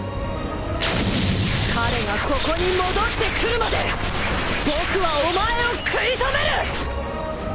彼がここに戻ってくるまで僕はお前を食い止める！